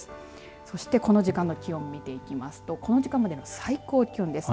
そしてこの時間の気温を見ていきますとこの時間までの最高気温です。